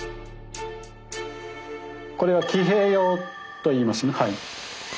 これは「騎兵俑」といいますね。